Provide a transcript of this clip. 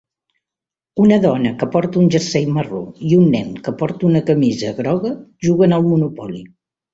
Una dona que porta un jersei marró i un nen que porta una camisa groga juguen al monopoli.